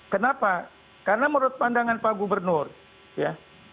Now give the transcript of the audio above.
kenapa karena menurut pandangan pak gubernur ya